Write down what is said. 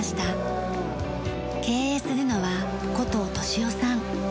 経営するのは古藤敏雄さん。